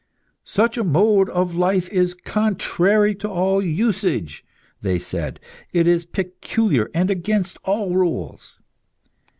"Such a mode of life is contrary to all usage," they said; "it is peculiar, and against all rules."